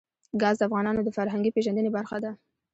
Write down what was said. ګاز د افغانانو د فرهنګي پیژندنې برخه ده.